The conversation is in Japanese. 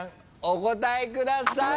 お答えください。